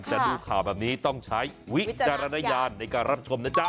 แต่ดูข่าวแบบนี้ต้องใช้วิจารณญาณในการรับชมนะจ๊ะ